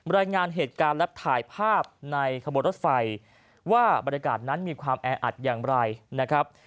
รายงานเหตุการณ์และถ่ายภาพในขบวนรถไฟว่าบรรยากาศนั้นมีความแออัดอย่างไรนะครับ